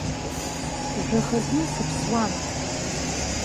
Жәахазны сыԥсуан.